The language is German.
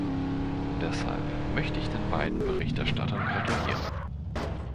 Deshalb möchte ich den beiden Berichterstattern gratulieren.